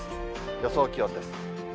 予想気温です。